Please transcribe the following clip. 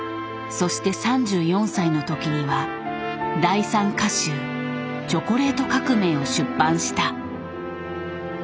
そして３４歳の時には第３歌集「チョコレート革命」を出版した。